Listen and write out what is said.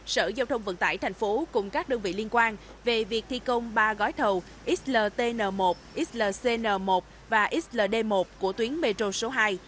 sở giao thông vận tải tp hcm cùng các đơn vị liên quan về việc thi công ba gói thầu xltn một xlcn một và xld một của tuyến bê trụ số hai